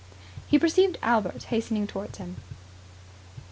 He perceived Albert hastening towards him.